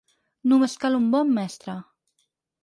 Només cal un bon mestre.